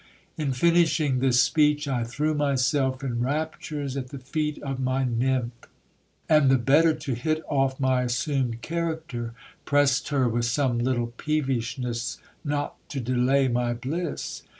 In finishing this speech, I threw myself in raptures at the feet of my nymph ; and the better to hit off my assumed character, pressed her with some little peevishness not to delay my bliss.